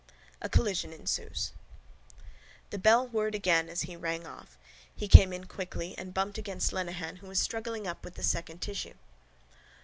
A COLLISION ENSUES The bell whirred again as he rang off. He came in quickly and bumped against Lenehan who was struggling up with the second tissue.